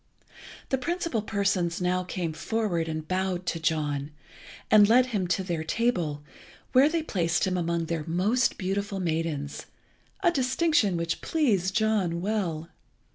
The principal persons now came forward and bowed to John, and led him to their table, where they placed him among their most beautiful maidens, a distinction which pleased John well.